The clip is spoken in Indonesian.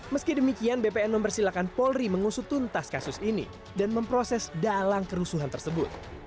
meski demikian bpn membersilakan polri mengusutuntas kasus ini dan memproses dalang kerusuhan tersebut